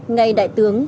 ngày đại tướng